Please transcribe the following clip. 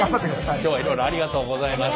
今日はいろいろありがとうございました。